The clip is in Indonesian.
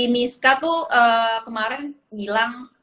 misca tuh kemarin bilang